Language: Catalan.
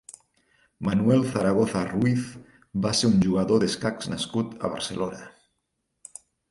Manuel Zaragoza Ruiz va ser un jugador d'escacs nascut a Barcelona.